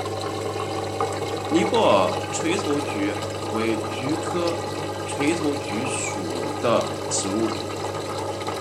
尼泊尔垂头菊为菊科垂头菊属的植物。